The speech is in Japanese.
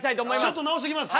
ちょっと直してきます。